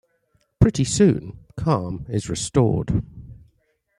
Pretty soon, calm is restored.